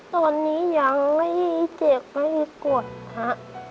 ตอนนี้ยังไม่เจ็บไม่ปวดค่ะ